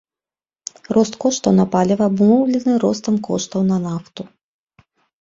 Рост коштаў на паліва абумоўлены ростам коштаў на нафту.